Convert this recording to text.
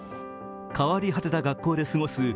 変わり果てた学校で過ごす